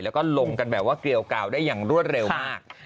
ลงกันกลิ่วกากได้อย่างรวดเร็วมาก